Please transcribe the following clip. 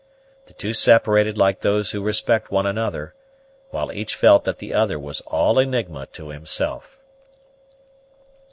The two separated like those who respect one another, while each felt that the other was all enigma to himself.